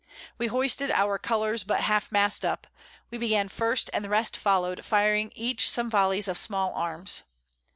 We hoisted our Colours but half mast up: We began first, and the rest follow'd, firing each some Volleys of small Arms.